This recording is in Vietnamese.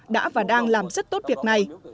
đã và đang làm rất tốt việc này